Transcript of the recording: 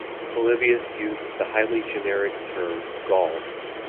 Polybius used the highly generic term Gaul.